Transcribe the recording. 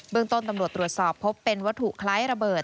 ต้นตำรวจตรวจสอบพบเป็นวัตถุคล้ายระเบิด